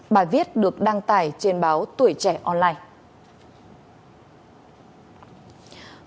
bài viết được đăng tải trên báo tuổi trẻ online